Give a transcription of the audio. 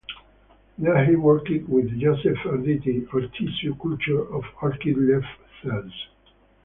There he worked with Joseph Arditti on tissue culture of orchid leaf cells.